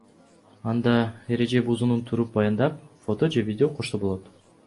Анда эреже бузуунун түрүн баяндап, фото же видео кошсо болот.